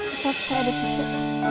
ustaz saya ada cerita